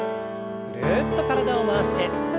ぐるっと体を回して。